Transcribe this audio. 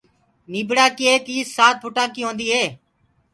نيٚڀڙآ ڪيٚ ايڪ ايس سآت ڦُٽآنٚ ڪيٚ هونٚديٚ هي